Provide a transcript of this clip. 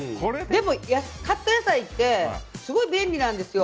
でも、カット野菜ってすごい便利なんですよ。